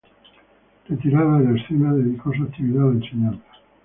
Retirada de la escena, dedicó su actividad a la enseñanza.